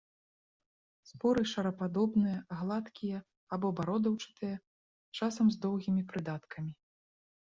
Споры шарападобныя, гладкія або бародаўчатыя, часам з доўгімі прыдаткамі.